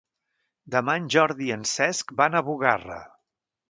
Demà en Jordi i en Cesc van a Bugarra.